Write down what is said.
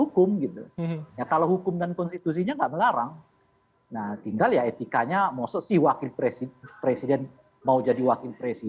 kalau konstitusinya dirubah